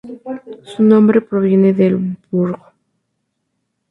Su nombre proviene del Burgh.